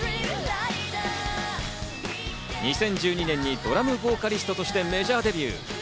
２０１２年にドラムボーカリストとしてメジャーデビュー。